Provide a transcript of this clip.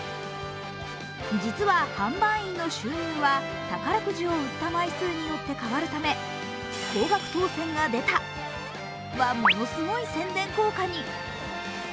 実は販売員の収入は宝くじを売った枚数によって変わるため「高額当選が出た」はものすごい宣伝効果に。